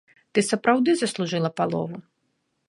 Ты сапраўды заслужыла палову.